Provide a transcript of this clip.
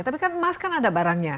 tapi kan emas kan ada barangnya